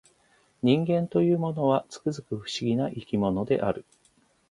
人間というものは、つくづく不思議な生き物である